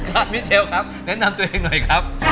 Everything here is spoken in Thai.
มิเชลครับแนะนำตัวเองหน่อยครับ